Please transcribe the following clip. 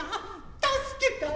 助けたい。